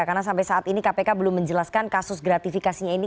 karena sampai saat ini kpk belum menjelaskan kasus gratifikasinya ini